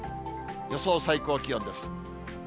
予想最高気温です。